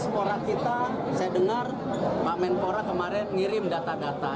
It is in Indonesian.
spora kita saya dengar pak menpora kemarin ngirim data data